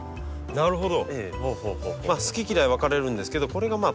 なるほど。